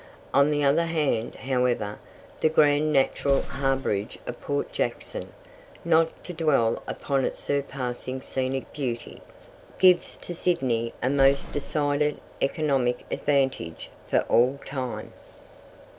On the other hand, however, the grand natural harbourage of Port Jackson, not to dwell upon its surpassing scenic beauty, gives to Sydney a most decided economic advantage for all time.